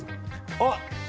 あっ！